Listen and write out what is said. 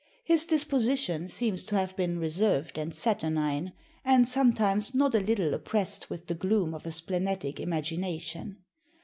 His disposition seems to have been reserved and saturnine, and sometimes not a little oppressed with the gloom of a splenetic imagination....